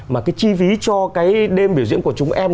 mà cái chi phí cho cái đêm biểu diễn của chúng em